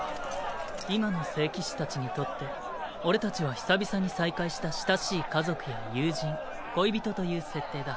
今の聖騎士たちにとって俺たちは久々に再会した親しい家族や友人恋人という設定だ。